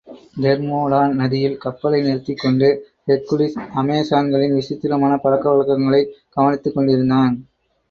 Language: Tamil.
தெர்மோடோன் நதியில் கப்பலை நிறுத்திக் கொண்டு, ஹெர்க்குலிஸ் அமெசான்களின் விசித்திரமான பழக்கவழக்கங்களைக் கவனித்துக்கொண்டிருந்தான்.